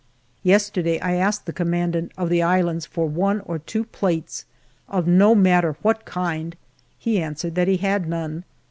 Yesterday I asked the commandant of the islands for one or two plates, of no matter what kind; he answered that he had none.